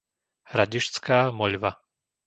Hradištská Moľva